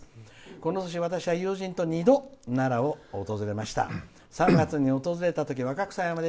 この年私は友人と２度奈良を訪れました。